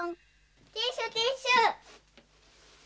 ティッシュティッシュ！